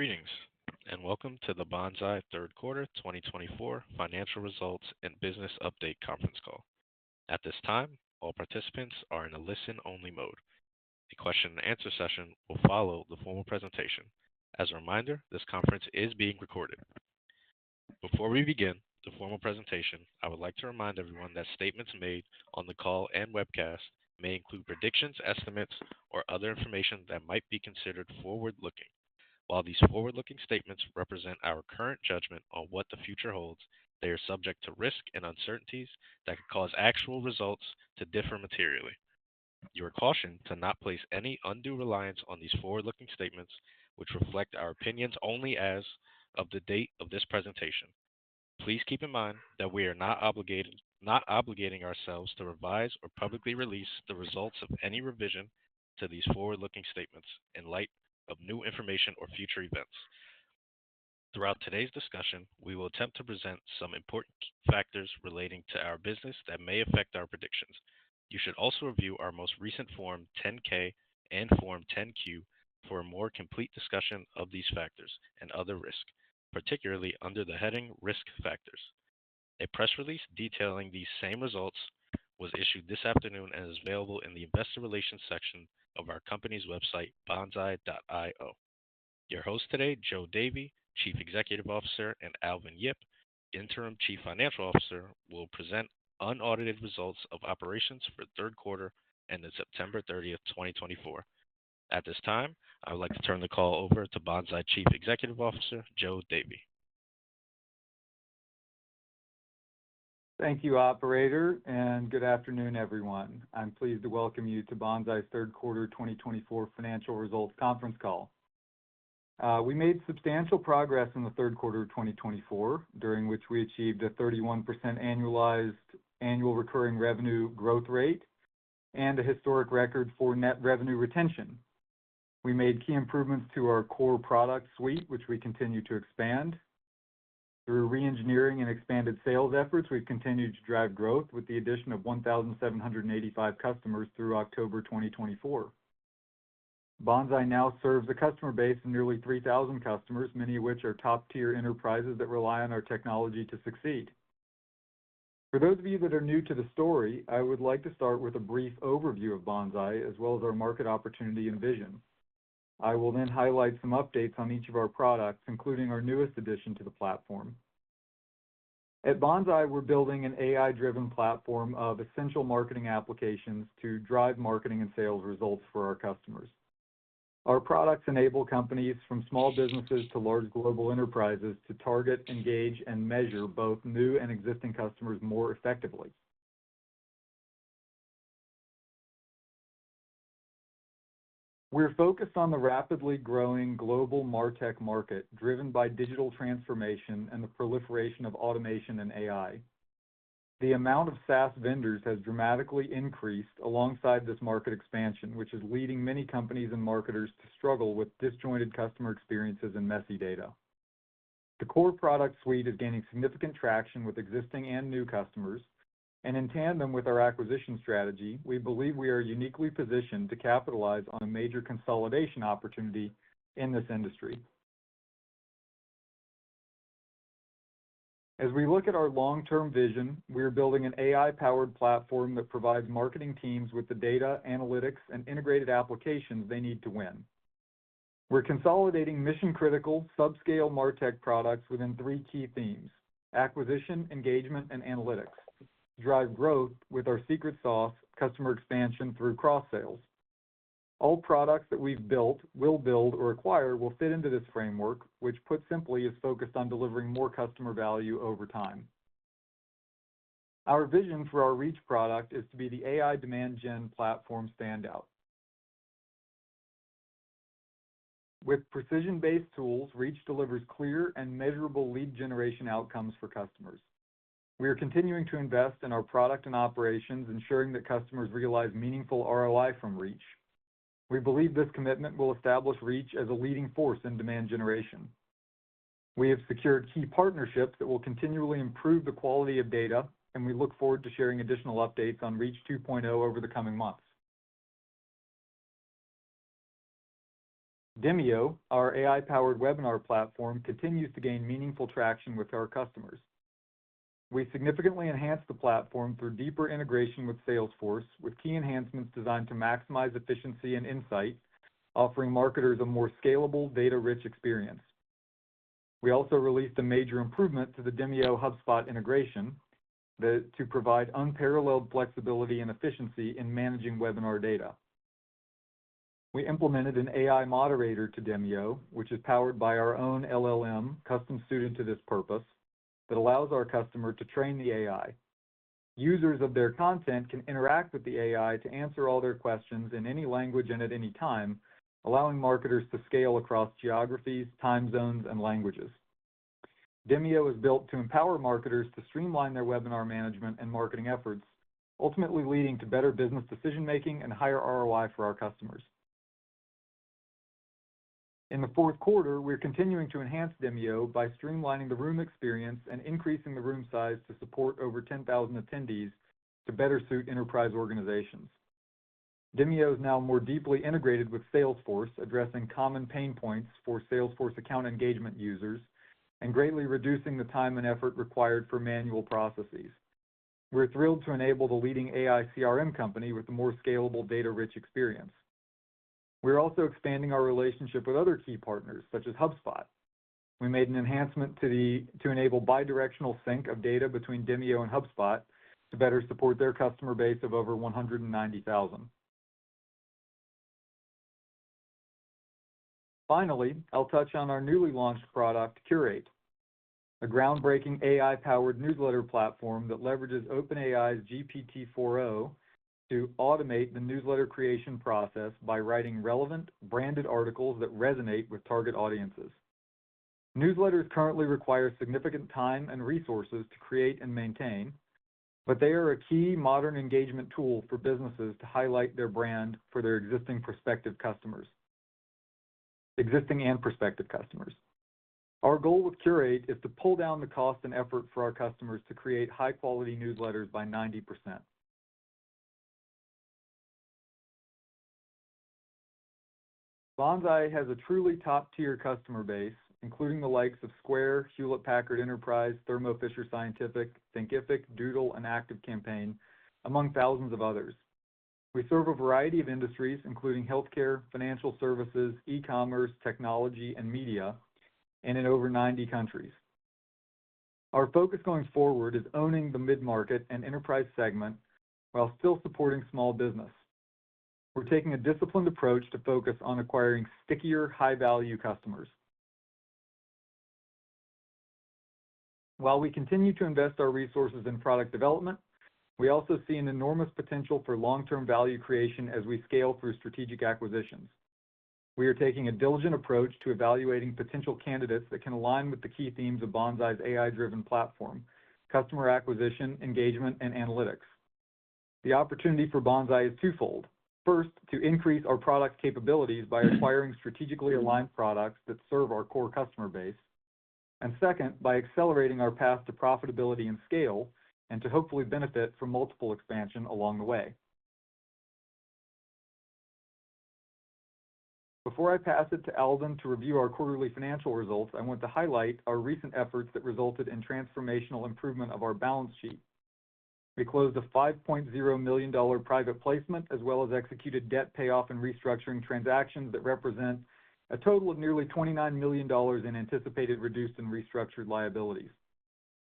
Greetings and welcome to the Banzai Third Quarter 2024 Financial Results and Business Update conference call. At this time, all participants are in a listen-only mode. The question-and-answer session will follow the formal presentation. As a reminder, this conference is being recorded. Before we begin the formal presentation, I would like to remind everyone that statements made on the call and webcast may include predictions, estimates, or other information that might be considered forward-looking. While these forward-looking statements represent our current judgment on what the future holds, they are subject to risk and uncertainties that could cause actual results to differ materially. You are cautioned to not place any undue reliance on these forward-looking statements, which reflect our opinions only as of the date of this presentation. Please keep in mind that we are not obligating ourselves to revise or publicly release the results of any revision to these forward-looking statements in light of new information or future events. Throughout today's discussion, we will attempt to present some important factors relating to our business that may affect our predictions. You should also review our most recent Form 10-K and Form 10-Q for a more complete discussion of these factors and other risks, particularly under the heading "Risk Factors." A press release detailing these same results was issued this afternoon and is available in the Investor Relations section of our company's website, banzai.io. Your host today, Joe Davy, Chief Executive Officer, and Alvin Yip, Interim Chief Financial Officer, will present unaudited results of operations for third quarter ended September 30th, 2024. At this time, I would like to turn the call over to Banzai Chief Executive Officer, Joe Davy. Thank you, Operator, and good afternoon, everyone. I'm pleased to welcome you to Banzai's Third Quarter 2024 Financial Results Conference Call. We made substantial progress in the third quarter of 2024, during which we achieved a 31% annualized annual recurring revenue growth rate and a historic record for net revenue retention. We made key improvements to our core product suite, which we continue to expand. Through re-engineering and expanded sales efforts, we've continued to drive growth with the addition of 1,785 customers through October 2024. Banzai now serves a customer base of nearly 3,000 customers, many of which are top-tier enterprises that rely on our technology to succeed. For those of you that are new to the story, I would like to start with a brief overview of Banzai as well as our market opportunity and vision. I will then highlight some updates on each of our products, including our newest addition to the platform. At Banzai, we're building an AI-driven platform of essential marketing applications to drive marketing and sales results for our customers. Our products enable companies from small businesses to large global enterprises to target, engage, and measure both new and existing customers more effectively. We're focused on the rapidly growing global MarTech market driven by digital transformation and the proliferation of automation and AI. The amount of SaaS vendors has dramatically increased alongside this market expansion, which is leading many companies and marketers to struggle with disjointed customer experiences and messy data. The core product suite is gaining significant traction with existing and new customers, and in tandem with our acquisition strategy, we believe we are uniquely positioned to capitalize on a major consolidation opportunity in this industry. As we look at our long-term vision, we are building an AI-powered platform that provides marketing teams with the data, analytics, and integrated applications they need to win. We're consolidating mission-critical subscale MarTech products within three key themes: acquisition, engagement, and analytics. Drive growth with our secret sauce, customer expansion through cross-sales. All products that we've built, will build, or acquire will fit into this framework, which put simply is focused on delivering more customer value over time. Our vision for our Reach product is to be the AI demand gen platform standout. With precision-based tools, Reach delivers clear and measurable lead generation outcomes for customers. We are continuing to invest in our product and operations, ensuring that customers realize meaningful ROI from Reach. We believe this commitment will establish Reach as a leading force in demand generation. We have secured key partnerships that will continually improve the quality of data, and we look forward to sharing additional updates on Reach 2.0 over the coming months. Demio, our AI-powered webinar platform, continues to gain meaningful traction with our customers. We significantly enhanced the platform through deeper integration with Salesforce, with key enhancements designed to maximize efficiency and insight, offering marketers a more scalable, data-rich experience. We also released a major improvement to the Demio HubSpot integration to provide unparalleled flexibility and efficiency in managing webinar data. We implemented an AI moderator to Demio, which is powered by our own LLM custom suited to this purpose that allows our customer to train the AI. Users of their content can interact with the AI to answer all their questions in any language and at any time, allowing marketers to scale across geographies, time zones, and languages. Demio is built to empower marketers to streamline their webinar management and marketing efforts, ultimately leading to better business decision-making and higher ROI for our customers. In the fourth quarter, we're continuing to enhance Demio by streamlining the room experience and increasing the room size to support over 10,000 attendees to better suit enterprise organizations. Demio is now more deeply integrated with Salesforce, addressing common pain points for Salesforce Account Engagement users and greatly reducing the time and effort required for manual processes. We're thrilled to enable the leading AI CRM company with a more scalable, data-rich experience. We're also expanding our relationship with other key partners, such as HubSpot. We made an enhancement to enable bidirectional sync of data between Demio and HubSpot to better support their customer base of over 190,000. Finally, I'll touch on our newly launched product, Curate, a groundbreaking AI-powered newsletter platform that leverages OpenAI's GPT-4o to automate the newsletter creation process by writing relevant, branded articles that resonate with target audiences. Newsletters currently require significant time and resources to create and maintain, but they are a key modern engagement tool for businesses to highlight their brand for their existing prospective customers. Existing and prospective customers. Our goal with Curate is to pull down the cost and effort for our customers to create high-quality newsletters by 90%. Banzai has a truly top-tier customer base, including the likes of Square, Hewlett Packard Enterprise, Thermo Fisher Scientific, Thinkific, Doodle, and ActiveCampaign, among thousands of others. We serve a variety of industries, including healthcare, financial services, e-commerce, technology, and media in over 90 countries. Our focus going forward is owning the mid-market and enterprise segment while still supporting small business. We're taking a disciplined approach to focus on acquiring stickier, high-value customers. While we continue to invest our resources in product development, we also see an enormous potential for long-term value creation as we scale through strategic acquisitions. We are taking a diligent approach to evaluating potential candidates that can align with the key themes of Banzai's AI-driven platform: customer acquisition, engagement, and analytics. The opportunity for Banzai is twofold. First, to increase our product capabilities by acquiring strategically aligned products that serve our core customer base. And second, by accelerating our path to profitability and scale and to hopefully benefit from multiple expansions along the way. Before I pass it to Alvin to review our quarterly financial results, I want to highlight our recent efforts that resulted in transformational improvement of our balance sheet. We closed a $5.0 million private placement as well as executed debt payoff and restructuring transactions that represent a total of nearly $29 million in anticipated reduced and restructured liabilities.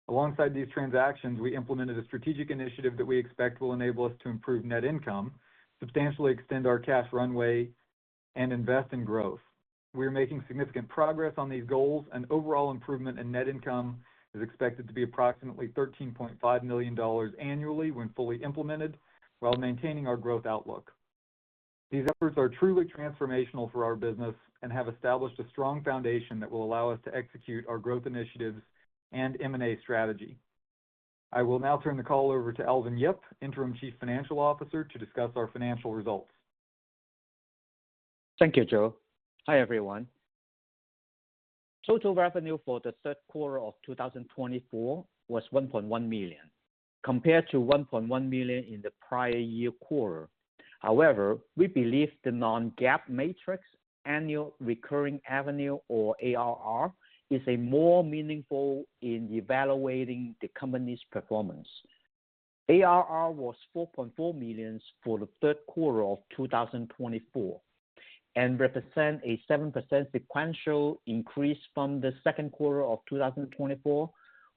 Alongside these transactions, we implemented a strategic initiative that we expect will enable us to improve net income, substantially extend our cash runway, and invest in growth. We are making significant progress on these goals, and overall improvement in net income is expected to be approximately $13.5 million annually when fully implemented while maintaining our growth outlook. These efforts are truly transformational for our business and have established a strong foundation that will allow us to execute our growth initiatives and M&A strategy. I will now turn the call over to Alvin Yip, Interim Chief Financial Officer, to discuss our financial results. Thank you, Joe. Hi, everyone. Total revenue for the third quarter of 2024 was $1.1 million, compared to $1.1 million in the prior year quarter. However, we believe the non-GAAP metrics, annual recurring revenue or ARR, is more meaningful in evaluating the company's performance. ARR was $4.4 million for the third quarter of 2024 and represents a 7% sequential increase from the second quarter of 2024,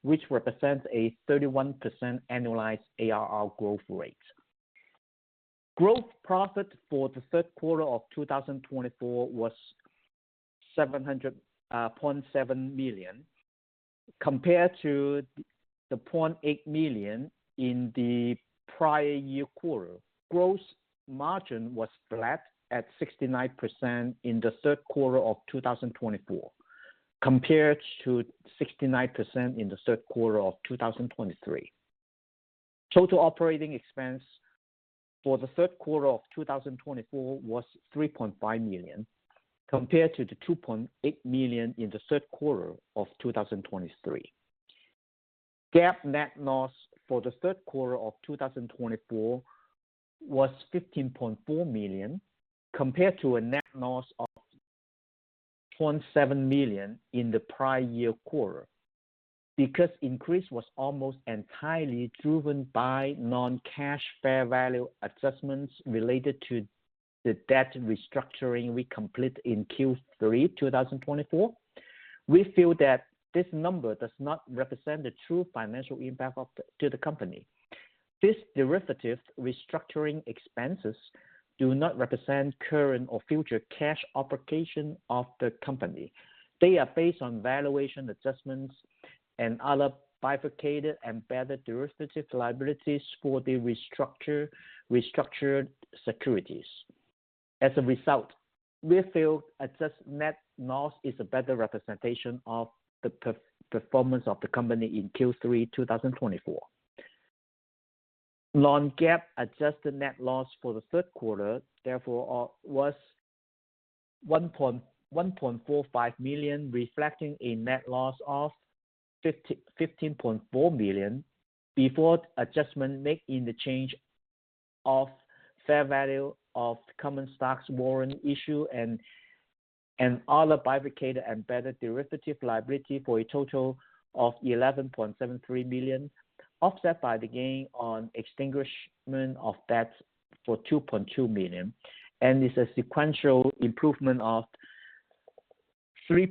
which represents a 31% annualized ARR growth rate. Gross profit for the third quarter of 2024 was $0.7 million, compared to the $0.8 million in the prior year quarter. Gross margin was flat at 69% in the third quarter of 2024, compared to 69% in the third quarter of 2023. Total operating expense for the third quarter of 2024 was $3.5 million, compared to the $2.8 million in the third quarter of 2023. GAAP net loss for the third quarter of 2024 was $15.4 million, compared to a net loss of $0.7 million in the prior year quarter. Because the increase was almost entirely driven by non-cash fair value adjustments related to the debt restructuring we completed in Q3 2024, we feel that this number does not represent the true financial impact to the company. These derivative restructuring expenses do not represent current or future cash application of the company. They are based on valuation adjustments and other bifurcated embedded derivative liabilities for the restructured securities. As a result, we feel adjusted net loss is a better representation of the performance of the company in Q3 2024. Non-GAAP adjusted net loss for the third quarter, therefore, was $1.45 million, reflecting a net loss of $15.4 million before adjustment made in the change of fair value of common stocks warrant issue and other bifurcated embedded derivative liability for a total of $11.73 million, offset by the gain on extinguishment of debt for $2.2 million, and it's a sequential improvement of $3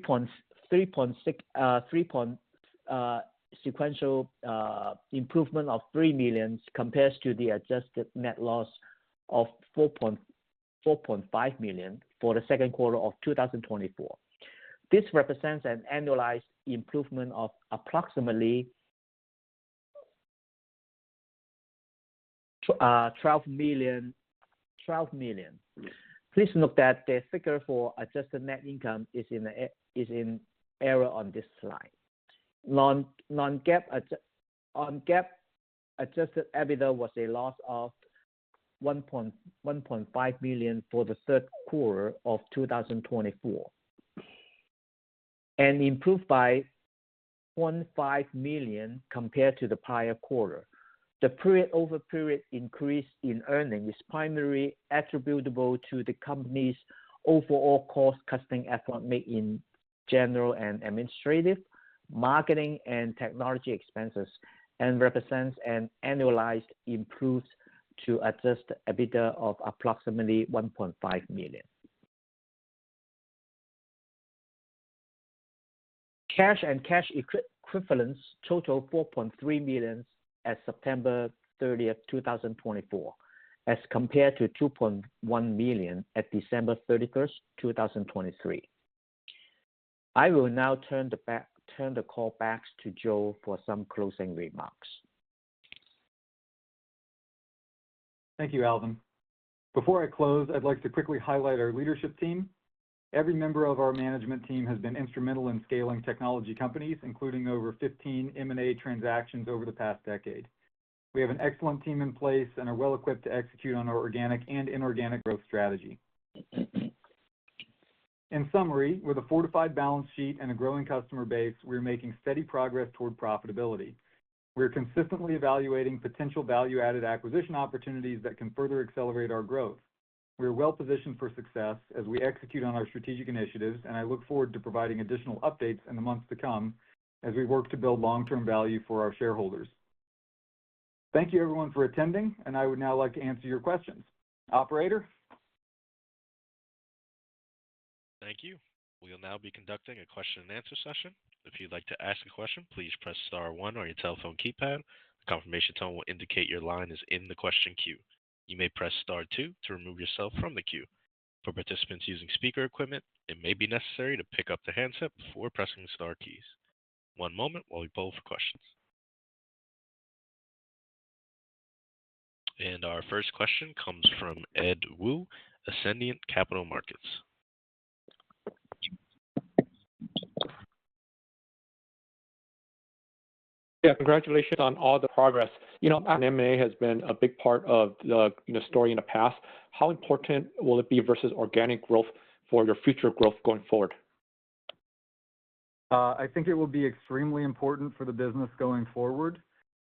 million compared to the adjusted net loss of $4.5 million for the second quarter of 2024. This represents an annualized improvement of approximately $12 million. Please note that the figure for adjusted net income is in error on this slide. Non-GAAP adjusted EBITDA was a loss of $1.5 million for the third quarter of 2024 and improved by $1.5 million compared to the prior quarter. The period-over-period increase in earnings is primarily attributable to the company's overall cost-cutting effort made in general and administrative, marketing, and technology expenses and represents an annualized improvement to adjusted EBITDA of approximately $1.5 million. Cash and cash equivalents total $4.3 million as of September 30th, 2024, as compared to $2.1 million as of December 31st, 2023. I will now turn the call back to Joe for some closing remarks. Thank you, Alvin. Before I close, I'd like to quickly highlight our leadership team. Every member of our management team has been instrumental in scaling technology companies, including over 15 M&A transactions over the past decade. We have an excellent team in place and are well-equipped to execute on our organic and inorganic growth strategy. In summary, with a fortified balance sheet and a growing customer base, we are making steady progress toward profitability. We are consistently evaluating potential value-added acquisition opportunities that can further accelerate our growth. We are well-positioned for success as we execute on our strategic initiatives, and I look forward to providing additional updates in the months to come as we work to build long-term value for our shareholders. Thank you, everyone, for attending, and I would now like to answer your questions. Operator. Thank you. We'll now be conducting a question-and-answer session. If you'd like to ask a question, please press star one on your telephone keypad. The confirmation tone will indicate your line is in the question queue. You may press star two to remove yourself from the queue. For participants using speaker equipment, it may be necessary to pick up the handset before pressing the star keys. One moment while we poll for questions. Our first question comes from Ed Woo, Ascendiant Capital Markets. Yeah, congratulations on all the progress. You know, M&A has been a big part of the story in the past. How important will it be versus organic growth for your future growth going forward? I think it will be extremely important for the business going forward.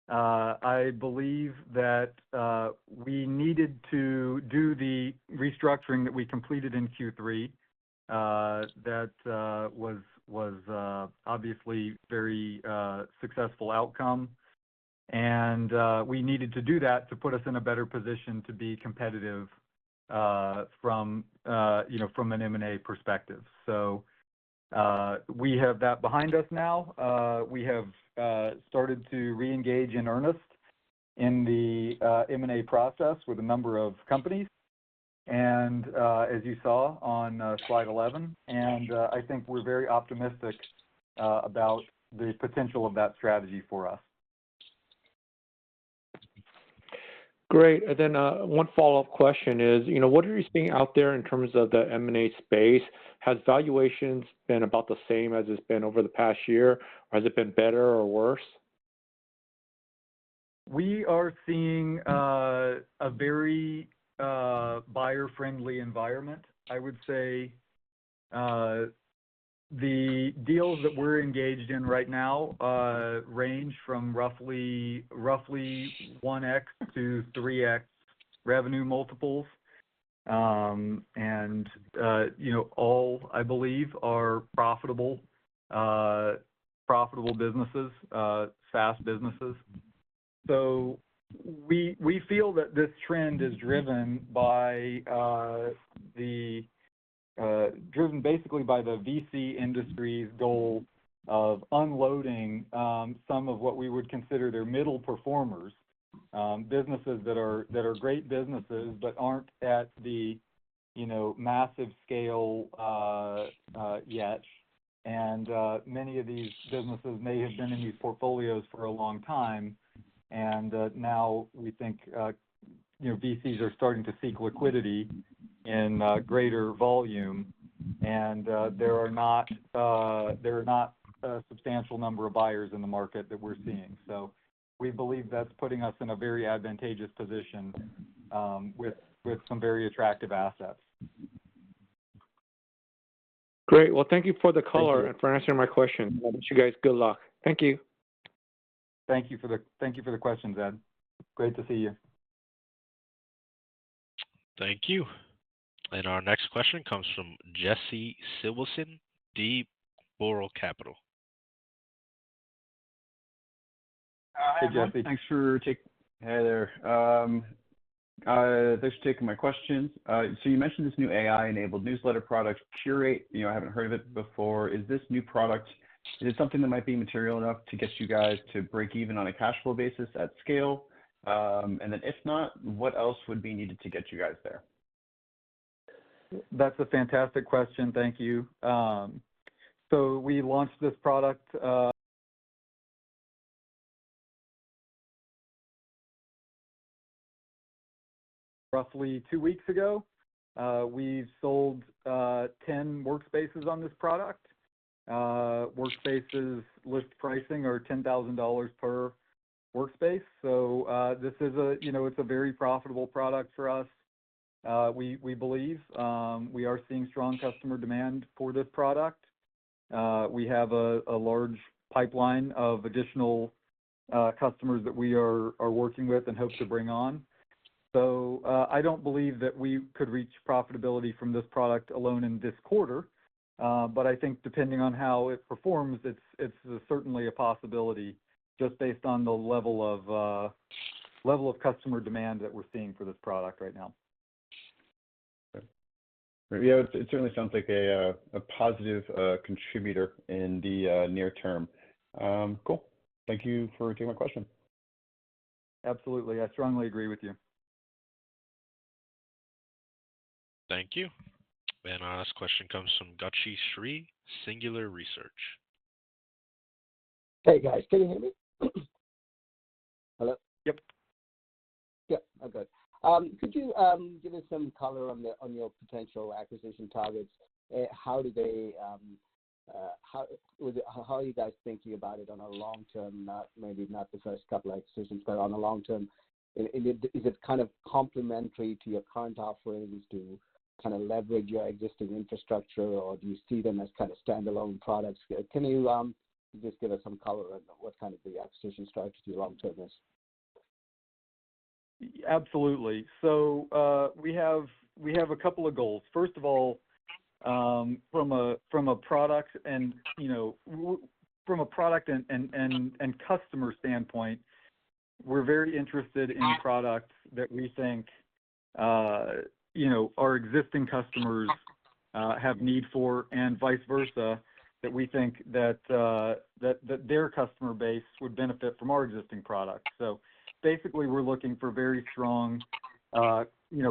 I believe that we needed to do the restructuring that we completed in Q3. That was obviously a very successful outcome. And we needed to do that to put us in a better position to be competitive from an M&A perspective. So we have that behind us now. We have started to re-engage in earnest in the M&A process with a number of companies. And as you saw on slide 11. And I think we're very optimistic about the potential of that strategy for us. Great. And then one follow-up question is, what are you seeing out there in terms of the M&A space? Has valuations been about the same as it's been over the past year? Has it been better or worse? We are seeing a very buyer-friendly environment. I would say the deals that we're engaged in right now range from roughly 1x-3x revenue multiples. And all, I believe, are profitable businesses, SaaS businesses. So we feel that this trend is driven by the VC industry's goal of unloading some of what we would consider their middle performers, businesses that are great businesses but aren't at the massive scale yet. And many of these businesses may have been in these portfolios for a long time. And now we think VCs are starting to seek liquidity in greater volume. And there are not a substantial number of buyers in the market that we're seeing. So we believe that's putting us in a very advantageous position with some very attractive assets. Great. Well, thank you for the color and for answering my questions. I wish you guys good luck. Thank you. Thank you for the questions, Ed. Great to see you. Thank you, and our next question comes from Jesse Sobelson, D. Boral Capital. Hi, Jesse. Thanks for taking my questions. So you mentioned this new AI-enabled newsletter product, Curate. I haven't heard of it before. Is this new product, is it something that might be material enough to get you guys to break even on a cash flow basis at scale? And then if not, what else would be needed to get you guys there? That's a fantastic question. Thank you. So we launched this product roughly two weeks ago. We've sold 10 workspaces on this product. Workspaces list pricing are $10,000 per workspace. So this is a very profitable product for us, we believe. We are seeing strong customer demand for this product. We have a large pipeline of additional customers that we are working with and hope to bring on. So I don't believe that we could reach profitability from this product alone in this quarter. But I think depending on how it performs, it's certainly a possibility just based on the level of customer demand that we're seeing for this product right now. Yeah, it certainly sounds like a positive contributor in the near term. Cool. Thank you for taking my question. Absolutely. I strongly agree with you. Thank you. And our last question comes from Gowshi Sri, Singular Research. Hey, guys. Can you hear me? Hello? Yep. Yeah, I'm good. Could you give us some color on your potential acquisition targets? How are you guys thinking about it on a long-term, maybe not the first couple of acquisitions, but on a long-term? Is it kind of complementary to your current offerings to kind of leverage your existing infrastructure, or do you see them as kind of standalone products? Can you just give us some color on what kind of the acquisition strategy long-term is? Absolutely. So we have a couple of goals. First of all, from a product and from a product and customer standpoint, we're very interested in products that we think our existing customers have need for and vice versa, that we think that their customer base would benefit from our existing products. So basically, we're looking for very strong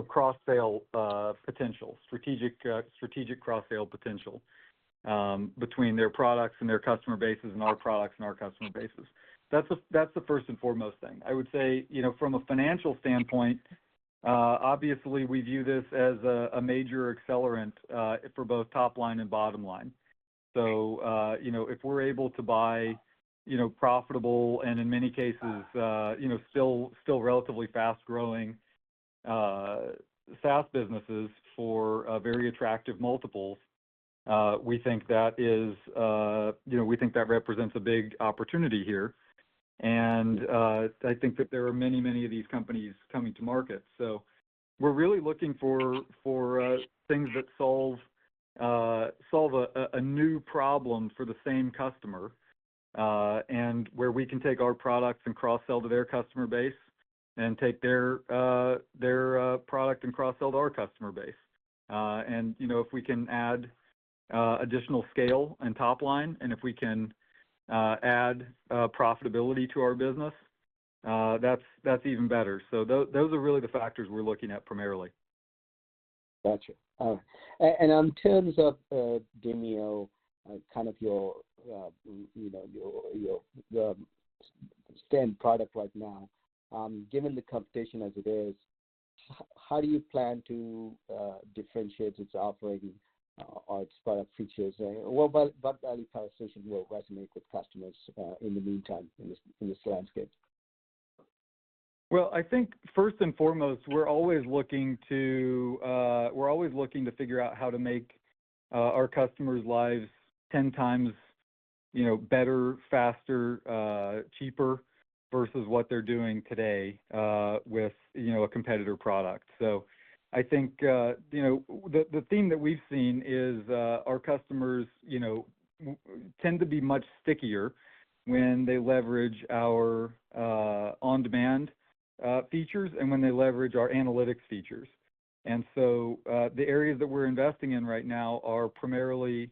cross-sale potential, strategic cross-sale potential between their products and their customer bases and our products and our customer bases. That's the first and foremost thing. I would say from a financial standpoint, obviously, we view this as a major accelerant for both top line and bottom line. So if we're able to buy profitable and in many cases still relatively fast-growing SaaS businesses for very attractive multiples, we think that represents a big opportunity here. And I think that there are many, many of these companies coming to market. So we're really looking for things that solve a new problem for the same customer and where we can take our products and cross-sell to their customer base and take their product and cross-sell to our customer base. And if we can add additional scale and top line and if we can add profitability to our business, that's even better. So those are really the factors we're looking at primarily. Gotcha. And in terms of Demio, kind of your stand product right now, given the competition as it is, how do you plan to differentiate its offering or its product features? What value proposition will resonate with customers in the meantime in this landscape? I think first and foremost, we're always looking to figure out how to make our customers' lives 10 times better, faster, cheaper versus what they're doing today with a competitor product. So I think the theme that we've seen is our customers tend to be much stickier when they leverage our on-demand features and when they leverage our analytics features. And so the areas that we're investing in right now are primarily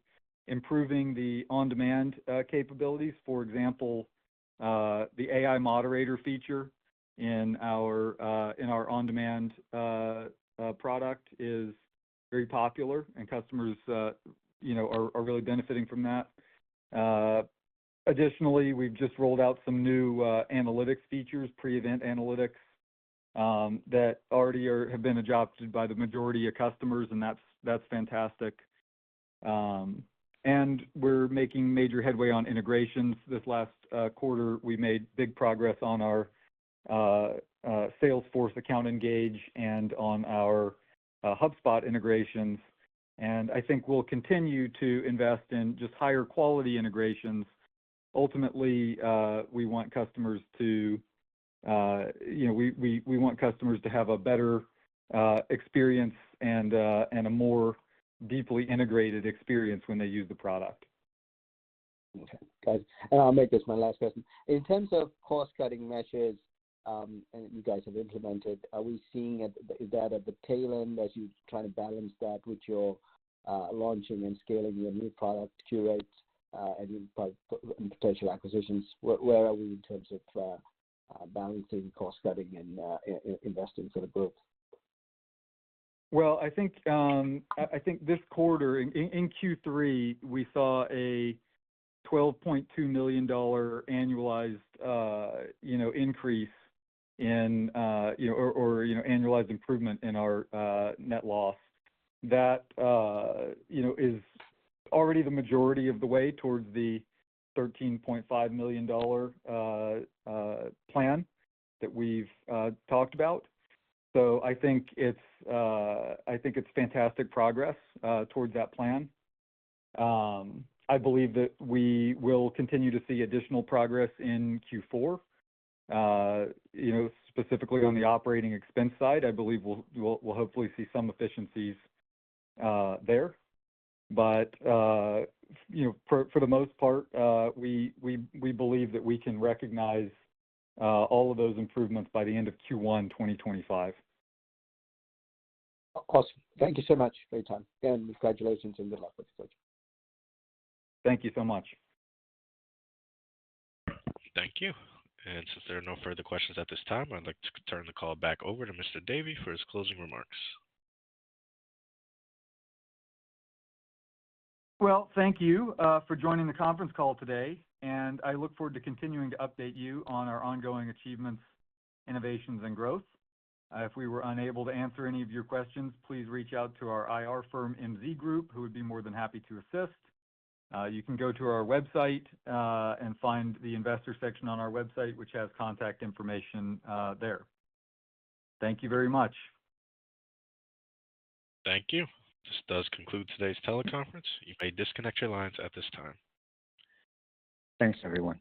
improving the on-demand capabilities. For example, the AI moderator feature in our on-demand product is very popular, and customers are really benefiting from that. Additionally, we've just rolled out some new analytics features, pre-event analytics, that already have been adopted by the majority of customers, and that's fantastic. And we're making major headway on integrations. This last quarter, we made big progress on our Salesforce Account Engagement and on our HubSpot integrations. I think we'll continue to invest in just higher quality integrations. Ultimately, we want customers to have a better experience and a more deeply integrated experience when they use the product. Okay. Got it. And I'll make this my last question. In terms of cost-cutting measures that you guys have implemented, are we seeing that at the tail end as you're trying to balance that with your launching and scaling your new product, Curate, and potential acquisitions? Where are we in terms of balancing cost-cutting and investing for the growth? I think this quarter, in Q3, we saw a $12.2 million annualized increase in or annualized improvement in our net loss. That is already the majority of the way towards the $13.5 million plan that we've talked about. I think it's fantastic progress towards that plan. I believe that we will continue to see additional progress in Q4, specifically on the operating expense side. I believe we'll hopefully see some efficiencies there. For the most part, we believe that we can recognize all of those improvements by the end of Q1 2025. Awesome. Thank you so much for your time, and congratulations and good luck with the project. Thank you so much. Thank you. And since there are no further questions at this time, I'd like to turn the call back over to Mr. Davy for his closing remarks. Thank you for joining the conference call today. I look forward to continuing to update you on our ongoing achievements, innovations, and growth. If we were unable to answer any of your questions, please reach out to our IR firm, MZ Group, who would be more than happy to assist. You can go to our website and find the investor section on our website, which has contact information there. Thank you very much. Thank you. This does conclude today's teleconference. You may disconnect your lines at this time. Thanks, everyone.